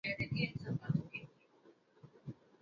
تلك الغصون امالتها الصبا هيفا